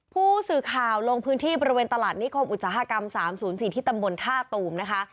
ผู้สื่อข่าวลงพื้นที่บริเวณตลาดนิคมอุตสาหกรรม๓๐๔ที่ตำบลท่าตูมนะคะ